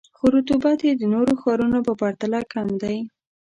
خو رطوبت یې د نورو ښارونو په پرتله کم دی.